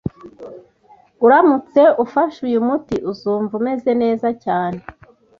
Uramutse ufashe uyu muti, uzumva umeze neza cyane.